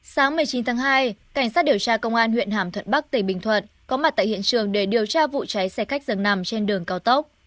sáng một mươi chín tháng hai cảnh sát điều tra công an huyện hàm thuận bắc tỉnh bình thuận có mặt tại hiện trường để điều tra vụ cháy xe khách dường nằm trên đường cao tốc